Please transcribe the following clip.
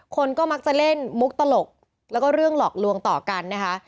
คนก็มักจะเล่นมุกตลกแล้วก็เรื่องหลอกลวงต่อกันนะคะ